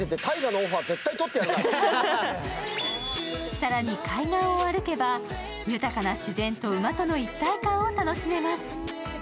更に海岸を歩けば、豊かな自然と馬との一体感を楽しめます。